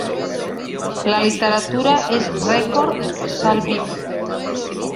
La literatura és record salvífic.